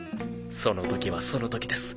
その時はその時です。